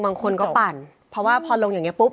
บางคนก็ปั่นเพราะว่าพอลงนะคะพบ